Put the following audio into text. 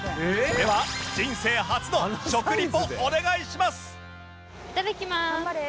では人生初の食リポお願いします！